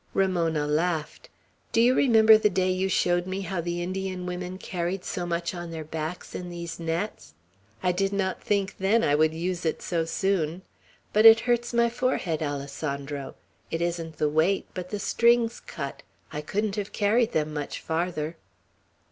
Ramona laughed. "Do you remember the day you showed me how the Indian women carried so much on their backs, in these nets? I did not think then I would use it so soon. But it hurts my forehead, Alessandro. It isn't the weight, but the strings cut. I couldn't have carried them much farther!"